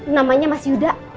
namanya mas yuda